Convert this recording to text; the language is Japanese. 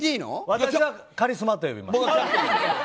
私はカリスマと呼びます。